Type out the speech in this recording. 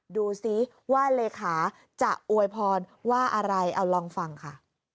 ดูสิว่าเลขาจะอวยพรว่าอะไรเอาลองฟังค่ะ